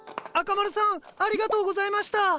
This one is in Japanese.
赤丸さんありがとうございました。